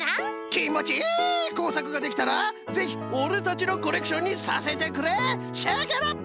きんもちいいこうさくができたらぜひオレたちのコレクションにさせてくれシェケナベイベー。